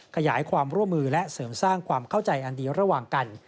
ขยายความร่วมมือและเสริมสร้างความเข้าใจอันเดียวระหว่างกัน